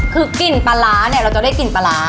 คือกลิ่นปลาร้าเนี่ยเราจะได้กลิ่นปลาร้า